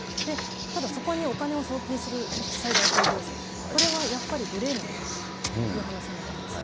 ただ、そこにお金を送金する決済代行業者、これはやっぱり、グレーなんじゃないかという話になるんです。